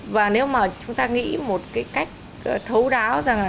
và nếu mà chúng ta nghĩ một cái cách thấu đáo rằng là